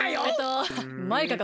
マイカよ！